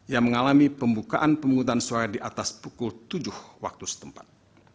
yang mengalami pembukaan pemungutan suara di atas pukul tujuh waktu setempat